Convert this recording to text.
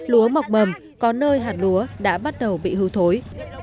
lúa mọc mầm có nơi hạt lúa đã bắt đầu bị hư thối